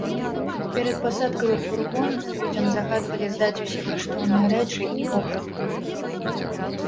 Перад пасадкай у фургон, людзям загадвалі здаць усе каштоўныя рэчы і вопратку.